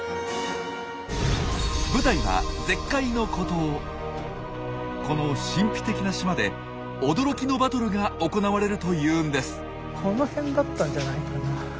舞台はこの神秘的な島で驚きのバトルが行われるというんです。